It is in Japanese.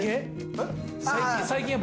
えっ？